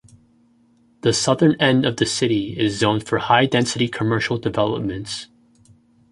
The southern end of the city is zoned for high density commercial developments.